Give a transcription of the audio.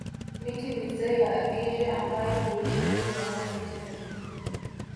Miti mizee ya Acacia ambayo huishi tu miaka sitini